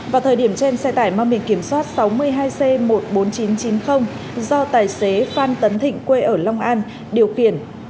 vào thời điểm trên xe tải mang biển kiểm soát sáu mươi hai c một mươi bốn nghìn chín trăm chín mươi do tài xế phan tấn thịnh quê ở long an điều khiển